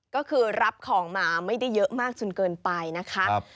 ก็คือรับของมาไม่ได้เยอะมากจนเกินไปนะคะ